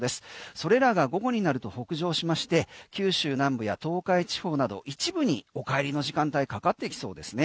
それらが午後になると北上しまして九州南部や東海地方など一部にお帰りの時間帯かかってきそうですね。